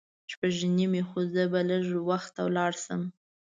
شپږ نیمې خو زه به لږ وخته لاړ شم.